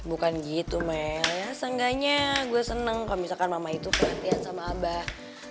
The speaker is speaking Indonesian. bukan gitu men ya seenggaknya gue seneng kalau misalkan mama itu pelatihan sama abah